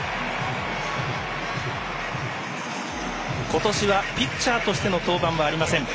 ことしはピッチャーとしての登板はありません。